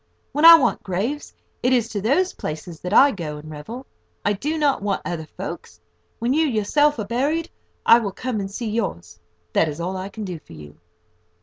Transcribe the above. When I want graves, it is to those places that I go and revel. I do not want other folk's. When you yourself are buried, I will come and see yours. That is all I can do for you."